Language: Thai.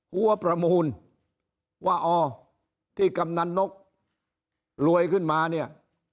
หัวประมูลว่าอ๋อที่กำนันนกรวยขึ้นมาเนี่ย